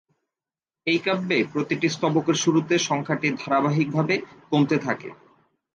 এই কাব্যে প্রতিটি স্তবকের শুরুর সংখ্যাটি ধারাবাহিকভাবে কমতে থাকে।